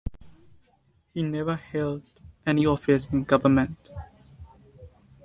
He never held any office in government.